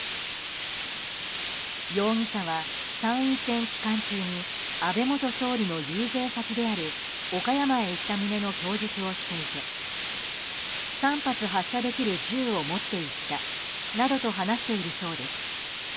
容疑者は参院選期間中に安倍元総理の遊説先である岡山へ行った旨の供述をしていて３発発射できる銃を持って行ったなどと話しているそうです。